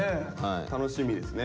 楽しみですね。